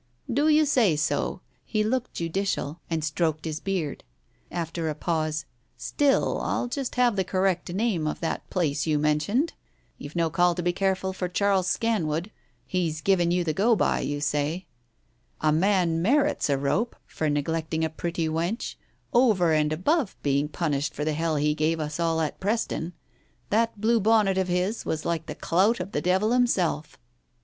"Do you say so?" He looked judicial, and stroked his beard. After a pause — "Still, I'll just have the correct name of that last place you mentioned. ... You've no call to be careful for Charles Scan wood, he's given you the go by, you say. A man merits a rope for neglecting a pretty wench, over and above being Digitized by Google 176 TALES OF THE UNEASY punished for the hell he gave us all at Preston. That blue bonnet of his was like the clout of the devil him self.